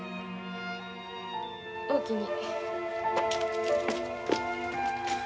おおきに。